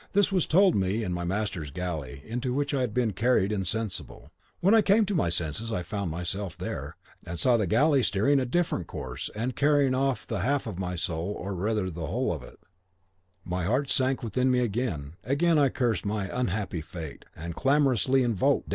This was told me in my master's galley into which I had been carried insensible. When I came to my senses, and found myself there, and saw the other galley steering a different course and carrying off the half of my soul or rather the whole of it, my heart sank within me again; again I cursed my unhappy fate, and clamorously invoked!